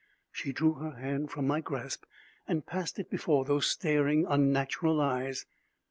She drew her hand from my grasp and passed it before those staring, unnatural eyes.